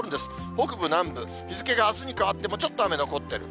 北部、南部、日付があすに変わってもちょっと雨残ってる。